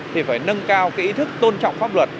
thì phải nâng cao cái ý thức tôn trọng pháp luật